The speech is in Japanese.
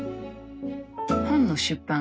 本の出版